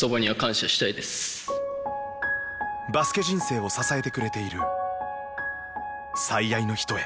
バスケ人生を支えてくれている最愛の人へ。